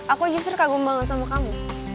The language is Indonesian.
aku justru kagum banget sama kamu